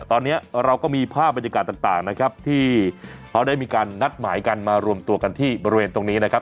ตอนนี้เราก็มีภาพบรรยากาศต่างนะครับที่เขาได้มีการนัดหมายกันมารวมตัวกันที่บริเวณตรงนี้นะครับ